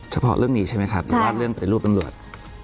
เฉพาะเรื่องนี้ใช่ไหมครับหรือว่าเรื่องปฏิรูปตำรวจ